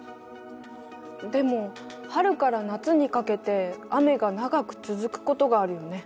でも春から夏にかけて雨が長く続くことがあるよね。